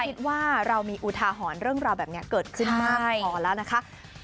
คิดว่าเรามีอุทาหรณ์เรื่องราวแบบนี้เกิดขึ้นมากพอแล้วนะคะ